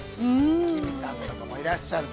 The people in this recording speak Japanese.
ＫＩＭＩさんとかもいらっしゃると。